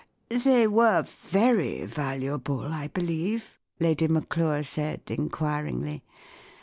"They were very valuable, I believe?" Lady Maclure said, inquiringly.